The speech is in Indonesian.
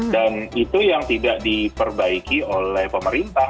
dan itu yang tidak diperbaiki oleh pemerintah